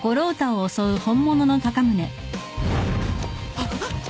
あっ！？